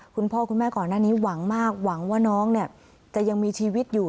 คุณพ่อคุณแม่ก่อนหน้านี้หวังมากหวังว่าน้องจะยังมีชีวิตอยู่